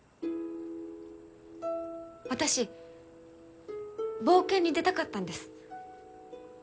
私冒険に出たかったんです。